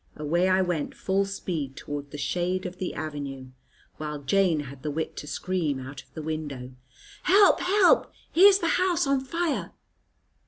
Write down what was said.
Away I went full speed towards the shade of the avenue, while Jane had the wit to scream out of the window, "Help! Help! Here's the house on fire!"